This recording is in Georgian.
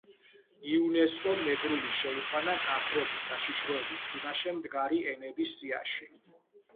იუნესკომ მეგრული შეიყვანა გაქრობის საშიშროების წინაშე მდგარი ენების სიაში.